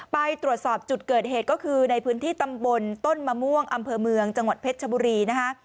ไปตรวจสอบจุดเกิดเหตุก็คือในพื้นที่ตำบลต้นมะม่วงอำเภอเมืองจังหวัดเพชรชบุรีนะคะ